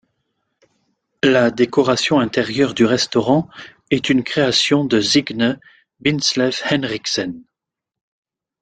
La décoration intérieure du restaurant est une création de Signe Bindslev-Henriksen.